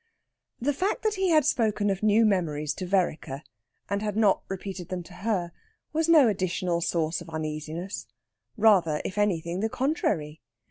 The fact that he had spoken of new memories to Vereker and had not repeated them to her was no additional source of uneasiness; rather, if anything, the contrary.